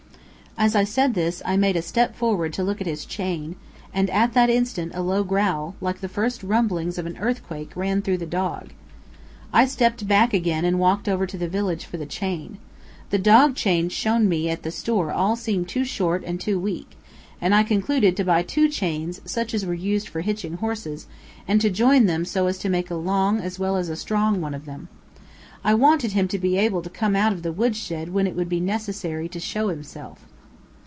As I said this I made a step forward to look at his chain, and at that instant a low growl, like the first rumblings of an earthquake, ran through the dog. I stepped back again and walked over to the village for the chain. The dog chains shown me at the store all seemed too short and too weak, and I concluded to buy two chains such as used for hitching horses and to join them so as to make a long as well as a strong one of them. I wanted him to be able to come out of the wood shed when it should be necessary to show himself.